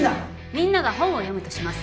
みんなが本を読むとします